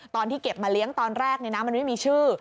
ตอนที่เก็บมาเลี้ยงตอนแรกมันไม่มีชื่อ